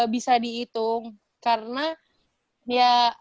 bisa dihitung karena ya